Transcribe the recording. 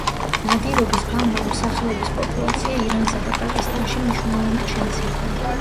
ნადირობის გამო ამ სახეობის პოპულაცია ირანსა და პაკისტანში მნიშვნელოვნად შემცირდა.